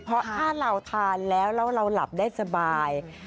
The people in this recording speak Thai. เพราะถ้าเราทานแล้วแล้วเราหลับได้สบาย